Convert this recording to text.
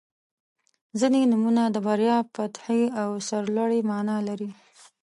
• ځینې نومونه د بریا، فتحې او سرلوړۍ معنا لري.